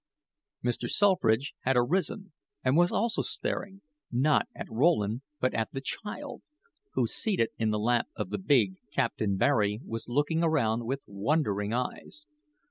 Mr. Selfridge had arisen and was also staring, not at Rowland, but at the child, who, seated in the lap of the big Captain Barry, was looking around with wondering eyes.